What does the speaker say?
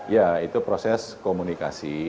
ya itu proses komunikasi